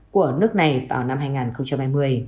của nước này vào năm hai nghìn hai mươi